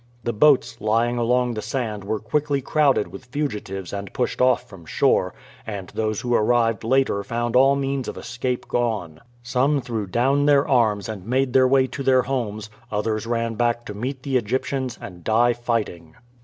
The boats lying along the sand were quickly crowded with fugitives and pushed off from shore, and those who arrived later found all means of escape gone. Some threw down their arms and made their way to their homes, others ran back to meet the Egyptians and die fighting.